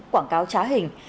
quảng cáo trá hình